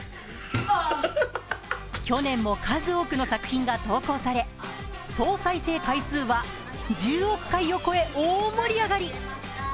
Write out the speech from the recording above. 去年も数多くの作品が投稿され総再生回数は１０億回を超え、大盛り上がり。